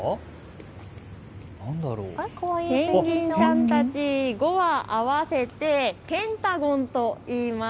かわいいペンギンちゃんたち５羽合わせてペン太５んといいます。